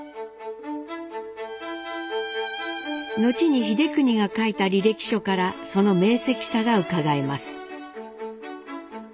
後に英邦が書いた履歴書からその明晰さがうかがえます。